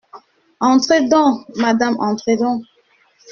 Entrez donc, madame, entrez donc !